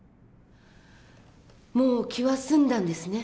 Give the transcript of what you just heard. もう気は済んだんですね？